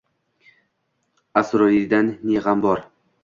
Asroridan ne g’am bor?